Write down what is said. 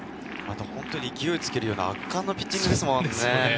勢いをつけるような圧巻のピッチングですよね。